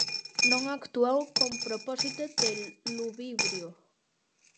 Non actuou con propósito de ludibrio.